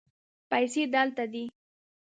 پیسې دلته دي